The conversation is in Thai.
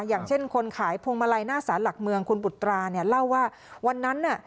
อย่างเช่นคนขายพวงมาลัยหน้าศาลหลักเมืองคุณบุตราเนี่ยเล่าว่าวันนั้นน่ะ